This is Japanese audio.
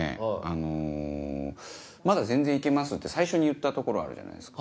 あの「まだ全然行けます」って最初に言ったところあるじゃないですか。